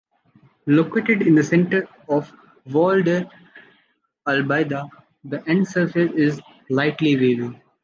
Located in the center of vall d’Albaida, the end surface is lightly wavy.